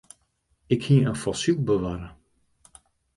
Ik hie in fossyl bewarre.